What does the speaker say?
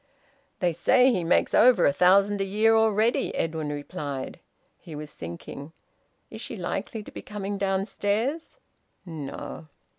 "They say he makes over a thousand a year already," Edwin replied. He was thinking. "Is she likely to be coming downstairs? No."